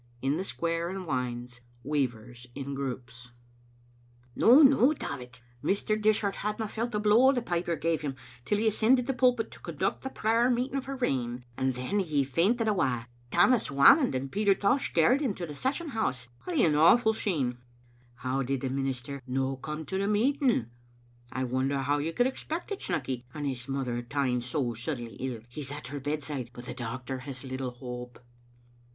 In the square and wynds — weavers in groups :*• No, no, Davit, Mr. Dishart hadna felt the blow the piper gave him till he ascended the pulpit to conduct the prayer meeting for rain, and then he fainted awa. Tammas Whamond and Peter Tosh carried him to the Session house. Ay, an awful scene. "^ How did the minister no come to the meeting? I wonder how you could expect it, Snecky, and his mother taen so suddenly ill ; he's at her bedside, but the doctor has little hope."